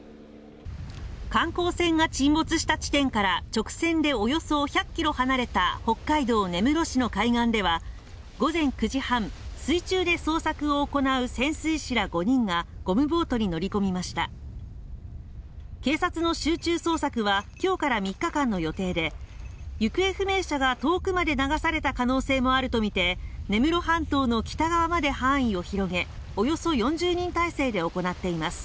観光船が沈没した地点から直線でおよそ１００キロ離れた北海道根室市の海岸では午前９時半、水中で捜索を行う潜水士ら５人がゴムボートに乗り込みました警察の集中捜索は今日から３日間の予定で行方不明者が遠くまで流された可能性もあると見て根室半島の北側まで範囲を広げおよそ４０人態勢で行っています